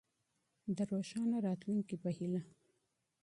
د روښانه راتلونکي په هيله.